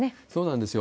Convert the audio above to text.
そうなんですよ。